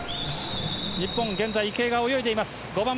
日本、現在池江が泳いでいる。